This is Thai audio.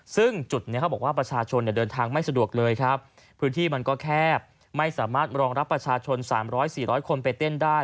พื้นฐี่แคบไม่สามารถรองรับประชาชน๓๐๐๔๐๐คนไปเต้นได้